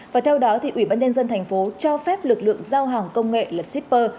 và theo đó ủy ban nhân dân thành phố cho phép lực lượng giao hàng công nghệ là shipper